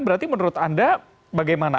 berarti menurut anda bagaimana